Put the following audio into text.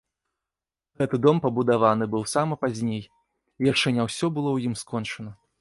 Гэты дом пабудаваны быў сама пазней, і яшчэ не ўсё было ў ім скончана.